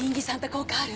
効果ある？